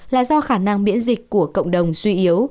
là do khả năng miễn dịch của cộng đồng suy yếu